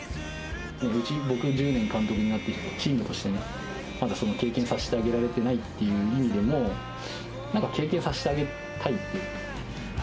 無事、僕１０年監督になって、チームとしてまだその経験させてあげられてないっていう意味でも、なんか経験させてあげたいっていう。